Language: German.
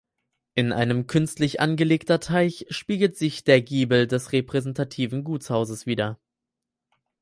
In einem künstlich angelegter Teich spiegelt sich der Giebel des repräsentativen Gutshauses wieder.